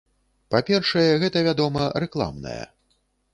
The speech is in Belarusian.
Па-першае, гэта, вядома, рэкламная.